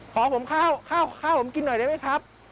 ขอผมข้าวข้าวผมกินหน่อยได้ไหมครับ